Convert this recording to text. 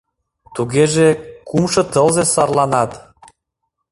Тугеже кумшо тылзе сарланат.